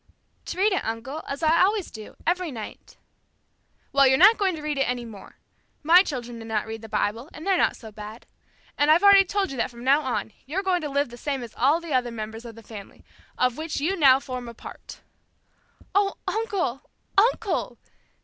"To read it, uncle, as I always do, every night." "Well, you're not going to read it any more! My children do not read the Bible and they're not so bad. And I've already told you that from now on, you're going to live the same as all the other members of my family, of which you now form a part!" "Oh, uncle, uncle!"